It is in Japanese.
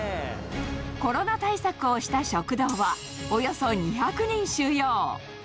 コロナ対策をした食堂は、およそ２００人収容。